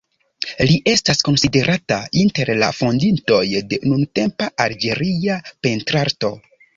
Li estas konsiderata inter la fondintoj de nuntempa Alĝeria pentrarto.